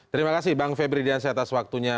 terima kasih bang febri diansyah atas waktunya